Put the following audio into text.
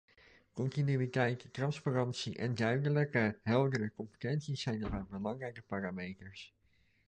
Continuïteit, transparantie en duidelijke, heldere competenties zijn daarbij belangrijke parameters.